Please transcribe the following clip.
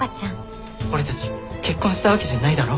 俺たち結婚したわけじゃないだろ。